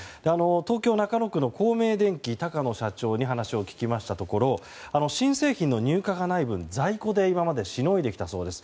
東京・中野区の光明電機高野社長に話を聞きましたところ新製品の入荷がない分、在庫で今まで、しのいできたそうです。